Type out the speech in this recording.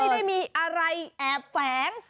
ไม่ได้มีอะไรแอบแฝง